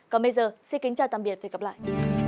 còn bây giờ xin kính chào tạm biệt và hẹn gặp lại